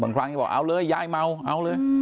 บางครั้งบอกเอาเลยยายเมาเอาเลย